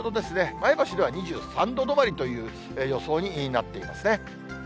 前橋では２３度止まりという予想になっていますね。